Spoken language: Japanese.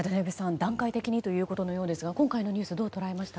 段階的にということですが今回のニュースどう捉えました？